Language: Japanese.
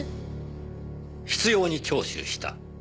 「執拗に聴取した」